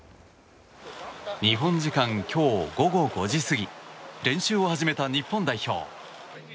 日本時間今日午後５時過ぎ練習を始めた日本代表。